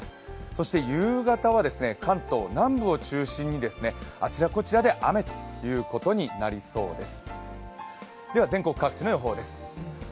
そして夕方は関東南部を中心にあちらこちらで雨ということになりそうです。